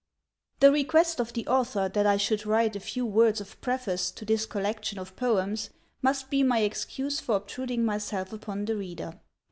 The request of the author that I should write a few words of preface to this collection of poems must be my excuse for obtruding myself upon the reader.